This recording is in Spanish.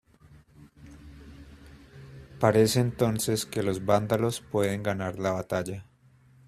Parece entonces que los vándalos pueden ganar la batalla.